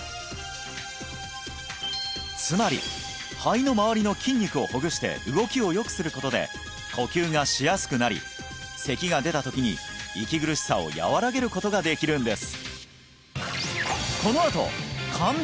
つまり肺の周りの筋肉をほぐして動きをよくすることで呼吸がしやすくなり咳が出たときに息苦しさを和らげることができるんです